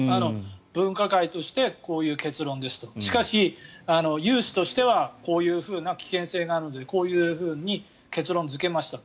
分科会としてこういう結論ですとしかし、有志としてはこういう危険性があるのでこういうふうに結論付けましたと。